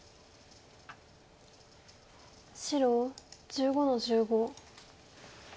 白１５の十五。